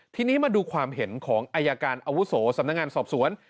ทีนี้มาดูความเห็นของอายการอาวุโสสำนักงานสอบสวน